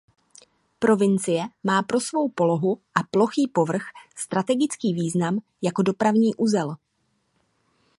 Provincie má pro svou polohu a plochý povrch strategický význam jako dopravní uzel.